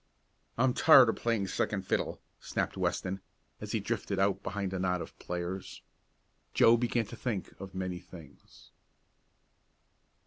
"I'm tired of playing second fiddle," snapped Weston, as he drifted out behind a knot of players. Joe began to think of many things.